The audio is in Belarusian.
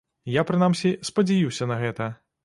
Я, прынамсі, спадзяюся на гэта.